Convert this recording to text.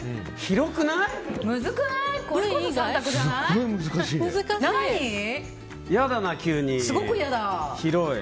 難くない？